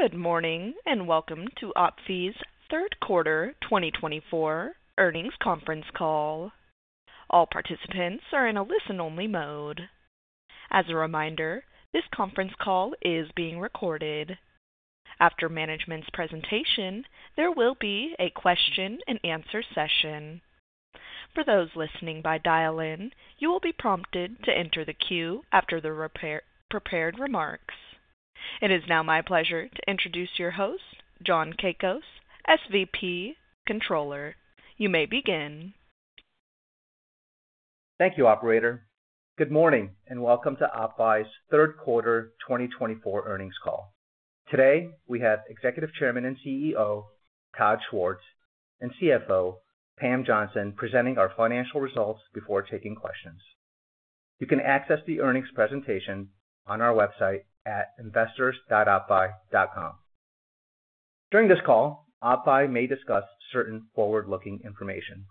Good morning and welcome to OppFi's third quarter 2024 earnings conference call. All participants are in a listen-only mode. As a reminder, this conference call is being recorded. After management's presentation, there will be a question-and-answer session. For those listening by dial-in, you will be prompted to enter the queue after the prepared remarks. It is now my pleasure to introduce your host, John Kakos, SVP Controller. You may begin. Thank you, Operator. Good morning and welcome to OppFi's third quarter 2024 earnings call. Today, we have Executive Chairman and CEO Todd Schwartz and CFO Pam Johnson presenting our financial results before taking questions. You can access the earnings presentation on our website at investors.oppfi.com. During this call, OppFi may discuss certain forward-looking information.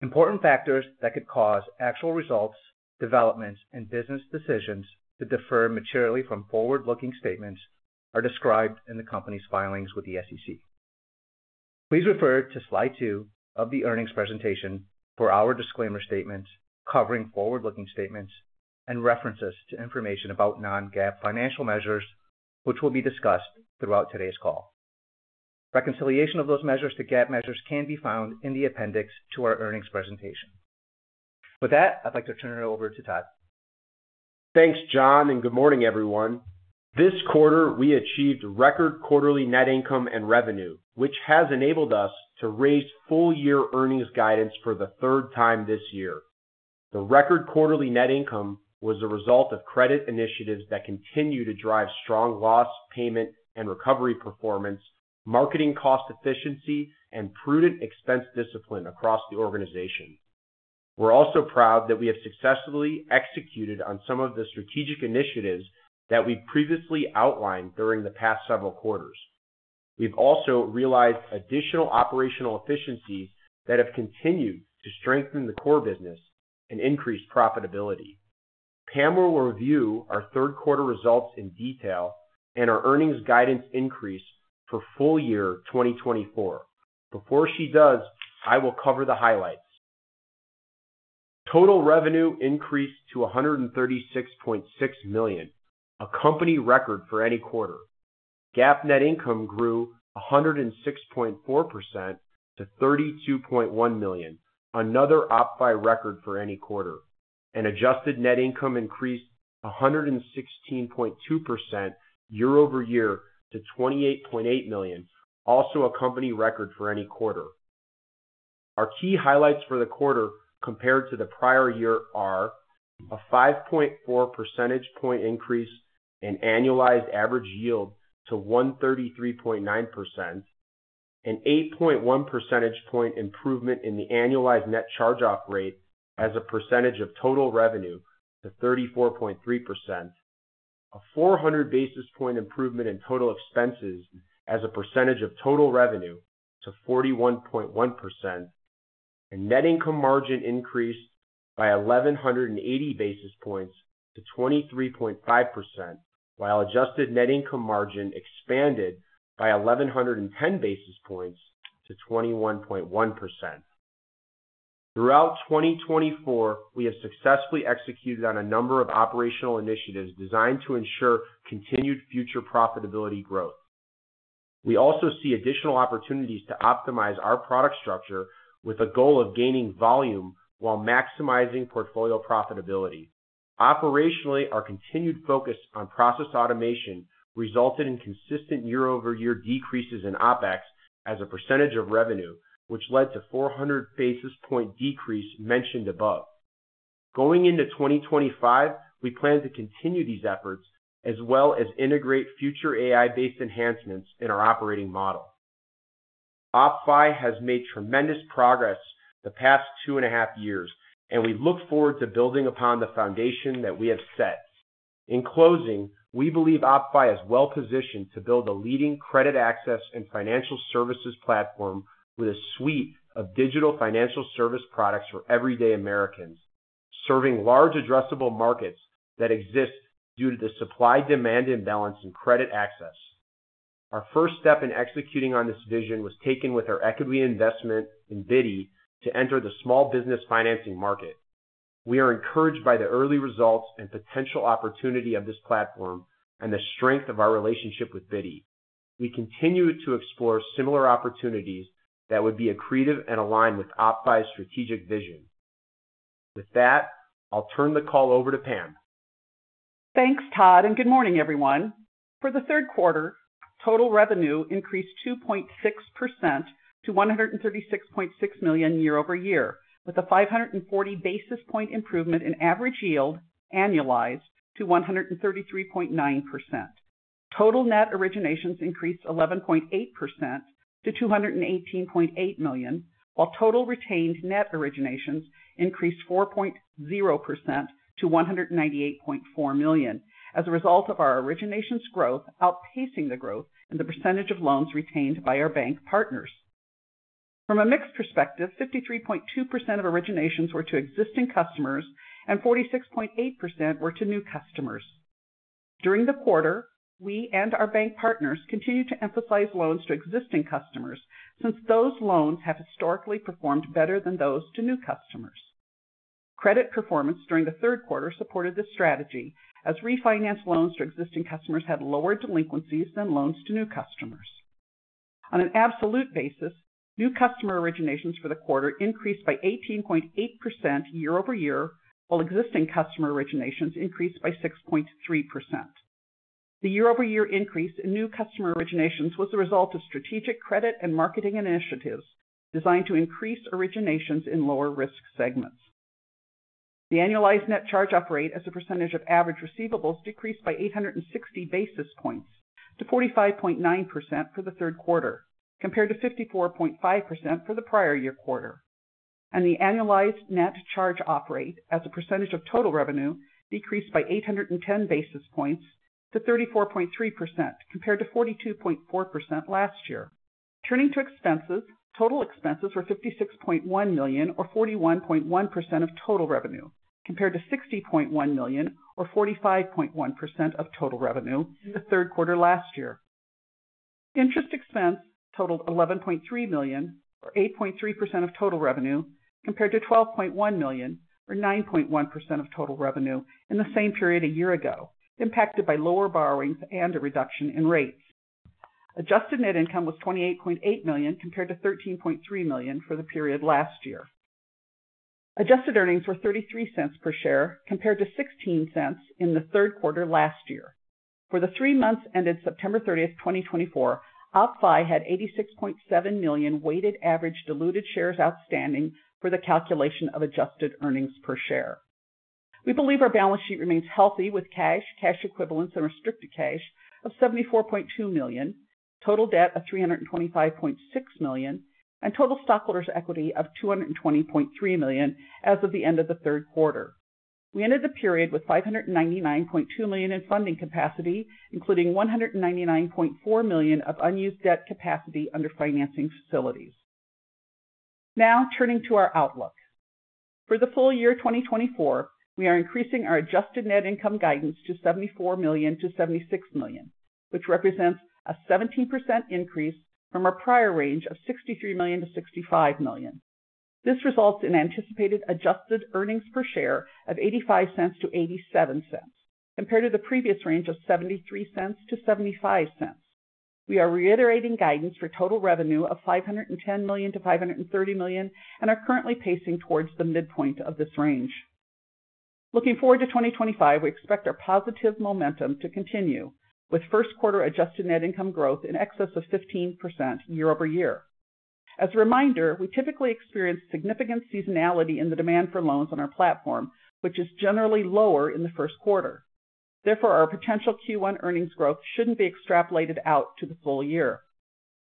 Important factors that could cause actual results, developments, and business decisions to differ materially from forward-looking statements are described in the company's filings with the SEC. Please refer to slide two of the earnings presentation for our disclaimer statements covering forward-looking statements and references to information about non-GAAP financial measures, which will be discussed throughout today's call. Reconciliation of those measures to GAAP measures can be found in the appendix to our earnings presentation. With that, I'd like to turn it over to Todd. Thanks, John, and good morning, everyone. This quarter, we achieved record quarterly net income and revenue, which has enabled us to raise full-year earnings guidance for the third time this year. The record quarterly net income was the result of credit initiatives that continue to drive strong loss, payment and recovery performance, marketing cost efficiency, and prudent expense discipline across the organization. We're also proud that we have successfully executed on some of the strategic initiatives that we previously outlined during the past several quarters. We've also realized additional operational efficiencies that have continued to strengthen the core business and increase profitability. Pamela will review our third quarter results in detail and our earnings guidance increase for full year 2024. Before she does, I will cover the highlights. Total revenue increased to $136.6 million, a company record for any quarter. GAAP net income grew 106.4% to $32.1 million, another OppFi record for any quarter, and adjusted net income increased 116.2% year over year to $28.8 million, also a company record for any quarter. Our key highlights for the quarter compared to the prior year are a 5.4 percentage point increase in annualized average yield to 133.9%, an 8.1 percentage point improvement in the annualized net charge-off rate as a percentage of total revenue to 34.3%, a 400 basis point improvement in total expenses as a percentage of total revenue to 41.1%, and net income margin increased by 1,180 basis points to 23.5%, while adjusted net income margin expanded by 1,110 basis points to 21.1%. Throughout 2024, we have successfully executed on a number of operational initiatives designed to ensure continued future profitability growth. We also see additional opportunities to optimize our product structure with a goal of gaining volume while maximizing portfolio profitability. Operationally, our continued focus on process automation resulted in consistent year-over-year decreases in OpEx as a percentage of revenue, which led to a 400 basis point decrease mentioned above. Going into 2025, we plan to continue these efforts as well as integrate future AI-based enhancements in our operating model. OppFi has made tremendous progress the past two and a half years, and we look forward to building upon the foundation that we have set. In closing, we believe OppFi is well positioned to build a leading credit access and financial services platform with a suite of digital financial service products for everyday Americans, serving large addressable markets that exist due to the supply-demand imbalance in credit access. Our first step in executing on this vision was taken with our equity investment in Bitty to enter the small business financing market. We are encouraged by the early results and potential opportunity of this platform and the strength of our relationship with Bitty. We continue to explore similar opportunities that would be accretive and aligned with OppFi's strategic vision. With that, I'll turn the call over to Pam. Thanks, Todd, and good morning, everyone. For the third quarter, total revenue increased 2.6% to $136.6 million year-over-year, with a 540 basis point improvement in average yield annualized to 133.9%. Total net originations increased 11.8% to $218.8 million, while total retained net originations increased 4.0% to $198.4 million as a result of our originations growth outpacing the growth in the percentage of loans retained by our bank partners. From a mixed perspective, 53.2% of originations were to existing customers, and 46.8% were to new customers. During the quarter, we and our bank partners continued to emphasize loans to existing customers since those loans have historically performed better than those to new customers. Credit performance during the third quarter supported this strategy as refinanced loans to existing customers had lower delinquencies than loans to new customers. On an absolute basis, new customer originations for the quarter increased by 18.8% year-over-year, while existing customer originations increased by 6.3%. The year-over-year increase in new customer originations was the result of strategic credit and marketing initiatives designed to increase originations in lower-risk segments. The annualized net charge-off rate as a percentage of average receivables decreased by 860 basis points to 45.9% for the third quarter, compared to 54.5% for the prior year quarter, and the annualized net charge-off rate as a percentage of total revenue decreased by 810 basis points to 34.3%, compared to 42.4% last year. Turning to expenses, total expenses were $56.1 million, or 41.1% of total revenue, compared to $60.1 million, or 45.1% of total revenue in the third quarter last year. Interest expense totaled $11.3 million, or 8.3% of total revenue, compared to $12.1 million, or 9.1% of total revenue in the same period a year ago, impacted by lower borrowings and a reduction in rates. Adjusted net income was $28.8 million, compared to $13.3 million for the period last year. Adjusted earnings were $0.33 per share, compared to $0.16 in the third quarter last year. For the three months ended September 30th, 2024, OppFi had 86.7 million weighted average diluted shares outstanding for the calculation of adjusted earnings per share. We believe our balance sheet remains healthy with cash, cash equivalents, and restricted cash of $74.2 million, total debt of $325.6 million, and total stockholders' equity of $220.3 million as of the end of the third quarter. We ended the period with $599.2 million in funding capacity, including $199.4 million of unused debt capacity under financing facilities. Now, turning to our outlook. For the full year 2024, we are increasing our adjusted net income guidance to $74 million-$76 million, which represents a 17% increase from our prior range of $63 million-$65 million. This results in anticipated adjusted earnings per share of $0.85-$0.87, compared to the previous range of $0.73-$0.75. We are reiterating guidance for total revenue of $510 million-$530 million and are currently pacing towards the midpoint of this range. Looking forward to 2025, we expect our positive momentum to continue with first quarter adjusted net income growth in excess of 15% year-over-year. As a reminder, we typically experience significant seasonality in the demand for loans on our platform, which is generally lower in the first quarter. Therefore, our potential Q1 earnings growth shouldn't be extrapolated out to the full year.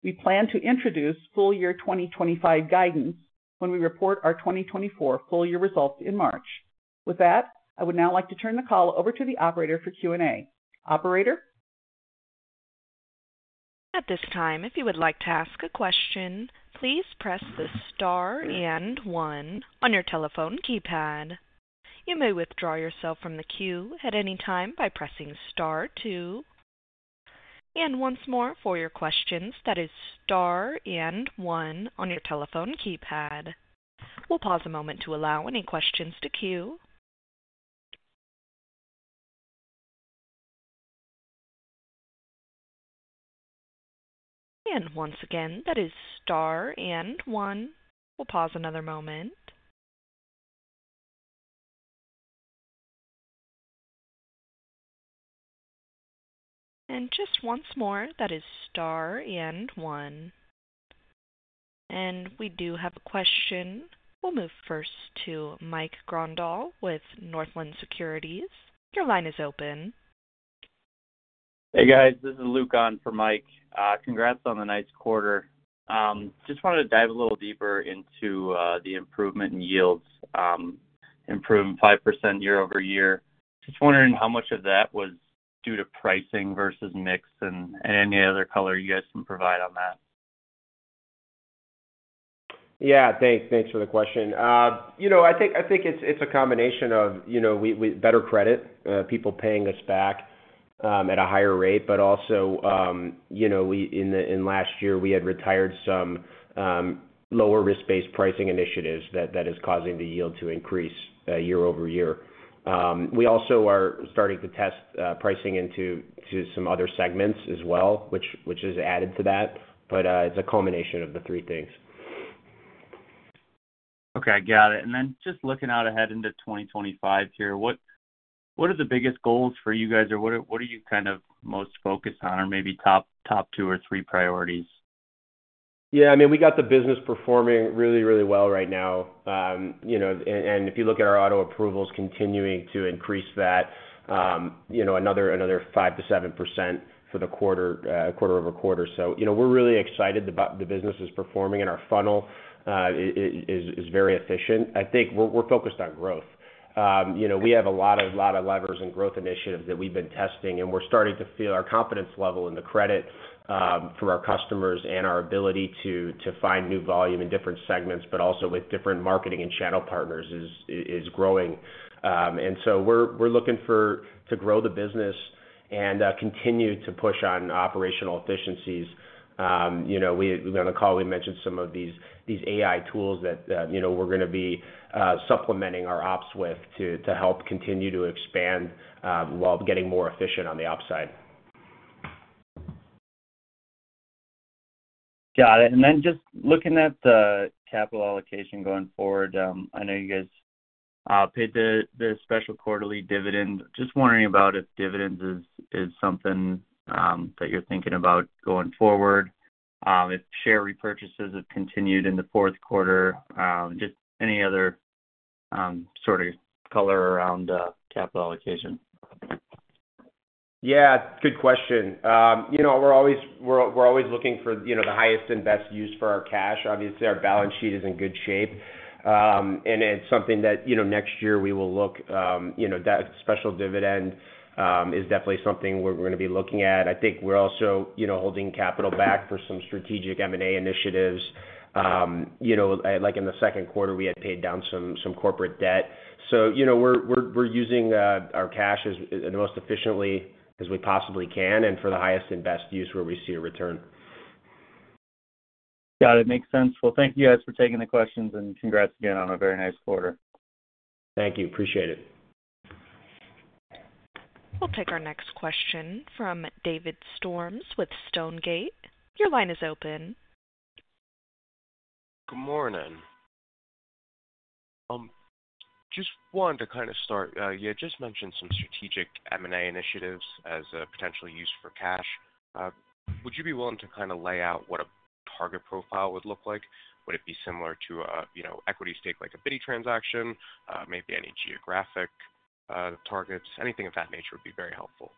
We plan to introduce full year 2025 guidance when we report our 2024 full year results in March. With that, I would now like to turn the call over to the operator for Q&A. Operator. At this time, if you would like to ask a question, please press the star and one on your telephone keypad. You may withdraw yourself from the queue at any time by pressing star two. And once more, for your questions, that is star and one on your telephone keypad. We'll pause a moment to allow any questions to queue. And once again, that is star and one. We'll pause another moment. And just once more, that is star and one. And we do have a question. We'll move first to Mike Grondahl with Northland Securities. Your line is open. Hey, guys. This is Luke on for Mike. Congrats on the nice quarter. Just wanted to dive a little deeper into the improvement in yields, improving 5% year-over-year. Just wondering how much of that was due to pricing versus mix and any other color you guys can provide on that? Yeah. Thanks for the question. I think it's a combination of better credit, people paying us back at a higher rate, but also in the last year, we had retired some lower-risk-based pricing initiatives that is causing the yield to increase year-over-year. We also are starting to test pricing into some other segments as well, which is added to that, but it's a culmination of the three things. Okay. I got it, and then just looking out ahead into 2025 here, what are the biggest goals for you guys, or what are you kind of most focused on, or maybe top two or three priorities? Yeah. I mean, we got the business performing really, really well right now, and if you look at our auto approvals continuing to increase that another 5%-7% for the quarter over quarter. We're really excited about the business is performing, and our funnel is very efficient. I think we're focused on growth. We have a lot of levers and growth initiatives that we've been testing, and we're starting to feel our confidence level in the credit for our customers and our ability to find new volume in different segments, but also with different marketing and channel partners is growing. We're looking to grow the business and continue to push on operational efficiencies. On the call, we mentioned some of these AI tools that we're going to be supplementing our ops with to help continue to expand while getting more efficient on the ops side. Got it. And then just looking at the capital allocation going forward, I know you guys paid the special quarterly dividend. Just wondering about if dividends is something that you're thinking about going forward, if share repurchases have continued in the fourth quarter, just any other sort of color around capital allocation. Yeah. Good question. We're always looking for the highest and best use for our cash. Obviously, our balance sheet is in good shape, and it's something that next year we will look at. That special dividend is definitely something we're going to be looking at. I think we're also holding capital back for some strategic M&A initiatives. Like in the second quarter, we had paid down some corporate debt. So we're using our cash as most efficiently as we possibly can and for the highest and best use where we see a return. Got it. Makes sense. Well, thank you guys for taking the questions, and congrats again on a very nice quarter. Thank you. Appreciate it. We'll take our next question from David Storms with Stonegate. Your line is open. Good morning. Just wanted to kind of start. You had just mentioned some strategic M&A initiatives as a potential use for cash. Would you be willing to kind of lay out what a target profile would look like? Would it be similar to an equity stake like a Bitty transaction, maybe any geographic targets? Anything of that nature would be very helpful.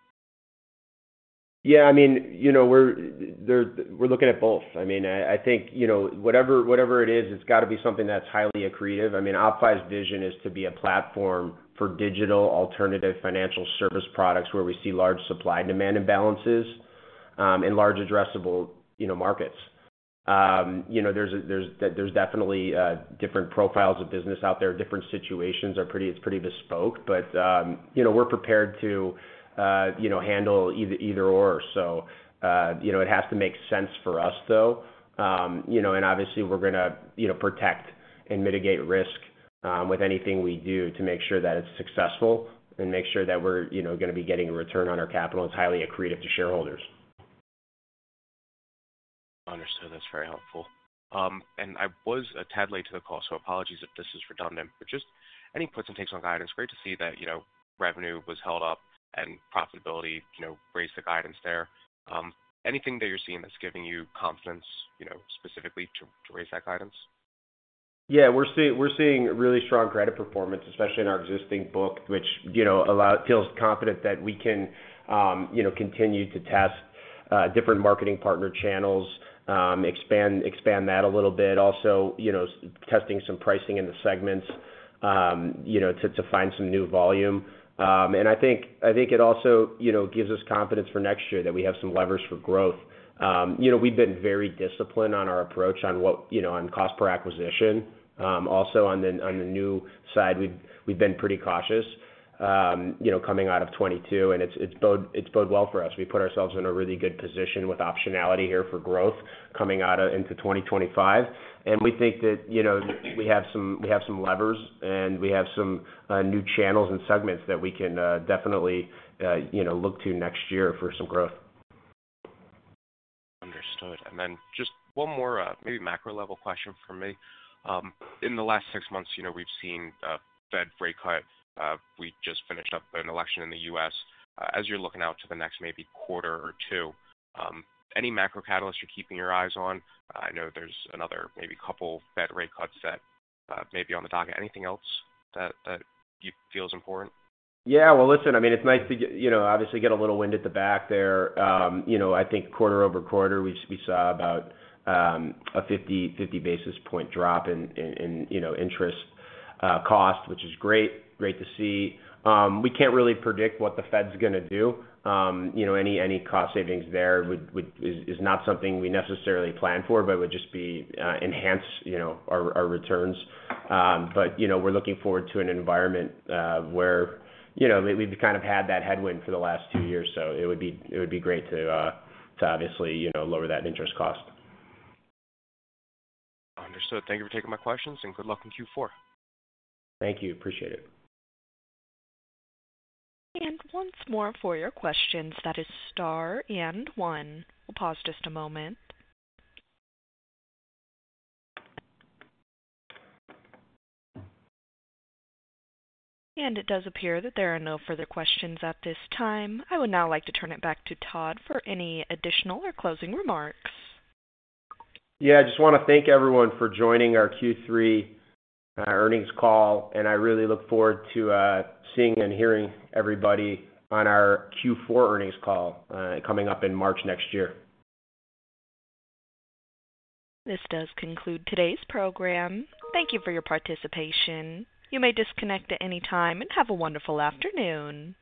Yeah. I mean, we're looking at both. I mean, I think whatever it is, it's got to be something that's highly accretive. I mean, OppFi's vision is to be a platform for digital alternative financial service products where we see large supply and demand imbalances in large addressable markets. There's definitely different profiles of business out there. Different situations are pretty bespoke, but we're prepared to handle either/or. So it has to make sense for us, though. And obviously, we're going to protect and mitigate risk with anything we do to make sure that it's successful and make sure that we're going to be getting a return on our capital that's highly accretive to shareholders. Understood. That's very helpful. And I was a tad late to the call, so apologies if this is redundant, but just any points and takes on guidance. Great to see that revenue was held up and profitability raised the guidance there. Anything that you're seeing that's giving you confidence specifically to raise that guidance? Yeah. We're seeing really strong credit performance, especially in our existing book, which feels confident that we can continue to test different marketing partner channels, expand that a little bit, also testing some pricing in the segments to find some new volume. And I think it also gives us confidence for next year that we have some levers for growth. We've been very disciplined on our approach on cost per acquisition. Also, on the new side, we've been pretty cautious coming out of 2022, and it's bode well for us. We put ourselves in a really good position with optionality here for growth coming out into 2025. And we think that we have some levers, and we have some new channels and segments that we can definitely look to next year for some growth. Understood. And then just one more maybe macro-level question for me. In the last six months, we've seen Fed rate cut. We just finished up an election in the U.S. As you're looking out to the next maybe quarter or two, any macro catalysts you're keeping your eyes on? I know there's another maybe couple Fed rate cuts that may be on the docket. Anything else that feels important? Yeah. Well, listen, I mean, it's nice to obviously get a little wind at the back there. I think quarter over quarter, we saw about a 50 basis point drop in interest cost, which is great to see. We can't really predict what the Fed's going to do. Any cost savings there is not something we necessarily plan for, but it would just enhance our returns. But we're looking forward to an environment where we've kind of had that headwind for the last two years. So it would be great to obviously lower that interest cost. Understood. Thank you for taking my questions, and good luck in Q4. Thank you. Appreciate it. Once more for your questions, that is star and one. We'll pause just a moment. It does appear that there are no further questions at this time. I would now like to turn it back to Todd for any additional or closing remarks. Yeah. I just want to thank everyone for joining our Q3 earnings call, and I really look forward to seeing and hearing everybody on our Q4 earnings call coming up in March next year. This does conclude today's program. Thank you for your participation. You may disconnect at any time and have a wonderful afternoon.